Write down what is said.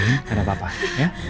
gak ada apa apa ya